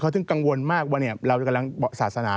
ถึงกังวลมากว่าเรากำลังศาสนา